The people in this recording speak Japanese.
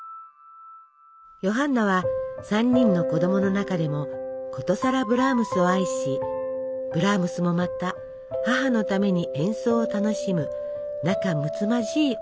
ヨハンナは３人の子供の中でもことさらブラームスを愛しブラームスもまた母のために演奏を楽しむ仲むつまじい親子でした。